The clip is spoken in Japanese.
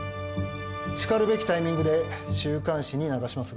しかるべきタイミングで週刊誌に流しますが。